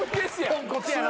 ポンコツやな。